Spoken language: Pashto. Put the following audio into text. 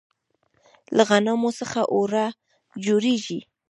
له غنمو څخه اوړه جوړیږي.